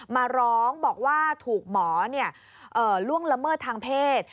มาร้องบอกว่าถูกหมอล่วงละเมิดทางเพศ